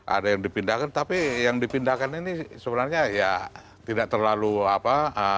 ada yang dipindahkan tapi yang dipindahkan ini sebenarnya ya tidak terlalu apa